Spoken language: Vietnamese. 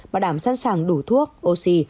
và đảm sẵn sàng đủ thuốc oxy